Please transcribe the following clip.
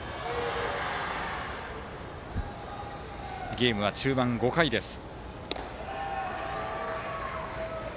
ゲームは中盤５回です。